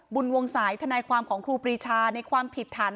วงสายทนายความของครูปรีชาในความผิดฐาน